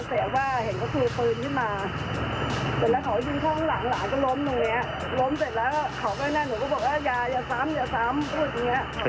สวัสดีครับ